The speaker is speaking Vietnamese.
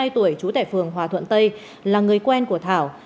hai mươi tuổi trú tại phường hòa thuận tây là người quen của thảo